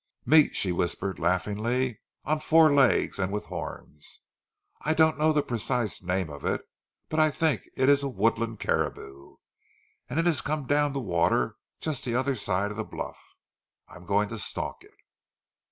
"Meat," she whispered laughingly, "on four legs and with horns. I don't know the precise name of it, but I think it is a woodland caribou. It has come down to the water just the other side of the bluff. I am going to stalk it."